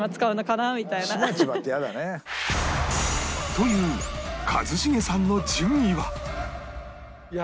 という一茂さんの順位は？